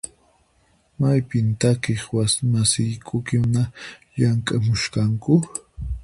Maypin takiq masiykikuna llamk'amushanku?